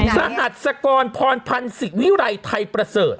สหัสกรพรพันธ์ศิวิรัยไทยประเสริฐ